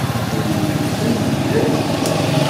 Win i d-yusan yegla-d s kra.